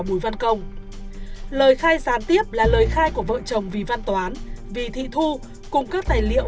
bùi văn công lời khai gián tiếp là lời khai của vợ chồng vy văn toán vy thị thu cùng các tài liệu